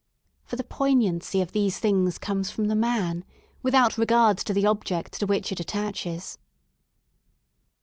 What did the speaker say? For the poignancy of these things comes from the man, with out regard to the object to which it attaches.